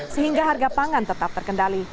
sehingga harga pangan tetap terkendali